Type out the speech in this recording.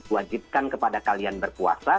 wajibkan kepada kalian berpuasa